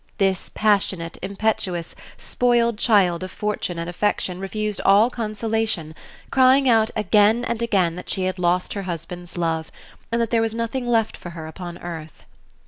This passionate, impetuous, spoiled child of fortune and affection refused all consolation, crying out again and again that she had lost her husband's love, and that there was nothing left for her upon earth.